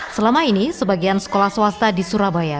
selama ini sebagian sekolah swasta di surabaya